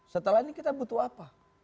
setelah ini kita butuh apa